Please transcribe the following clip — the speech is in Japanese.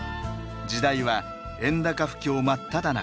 時代は円高不況真っただ中。